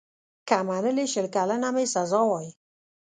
که منلې شل کلنه مي سزا وای